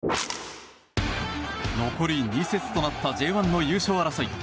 残り２節となったＪ１の優勝争い。